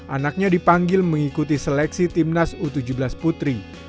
anaknya dipanggil mengikuti seleksi timnas u tujuh belas putri